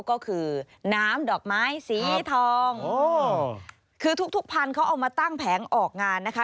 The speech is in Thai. คือทุกพันธุ์เขามาตั้งแผงออกงานนะคะ